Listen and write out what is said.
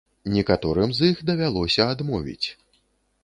Некаторым з іх давялося адмовіць.